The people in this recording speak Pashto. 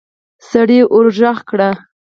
سړي ورغږ کړ.